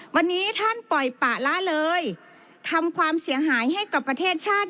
วันนี้ท่านปล่อยปะละเลยทำความเสียหายให้กับประเทศชาติ